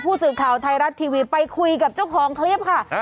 ผู้สื่อข่าวไทยรัฐทีวีไปคุยกับเจ้าของคลิปค่ะ